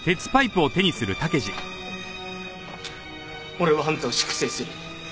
俺はあんたを粛清する。